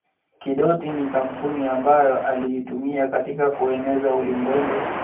Kidoti ni kampuni ambayo aliitumia katika kueneza ulimbwende